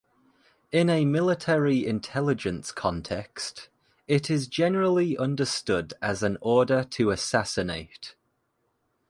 In a military intelligence context, it is generally understood as an order to assassinate.